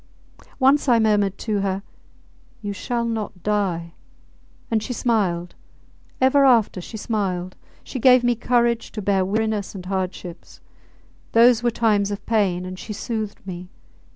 Once I murmured to her, You shall not die, and she smiled ... ever after she smiled! ... She gave me courage to bear weariness and hardships. Those were times of pain, and she soothed me.